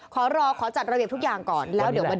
ขอรอขอจัดระเบียบทุกอย่างก่อนแล้วเดี๋ยวมาดู